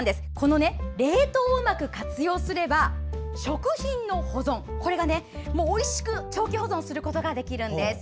冷凍をうまく活用すれば食品を長期保存することができるんです。